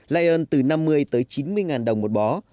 lây ơn từ năm mươi tới chín mươi ngàn đồng một bó